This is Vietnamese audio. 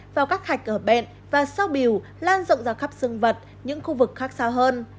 vào các hạch ở bên và sau biểu lan rộng ra khắp dương vật những khu vực khác xa hơn